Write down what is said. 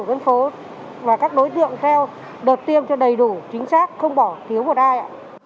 dân phố và các đối tượng theo đợt tiêm cho đầy đủ chính xác không bỏ thiếu một ai ạ